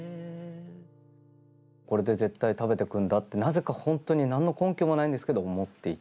これで絶対食べてくんだってなぜか本当に何の根拠もないんですけど思っていて。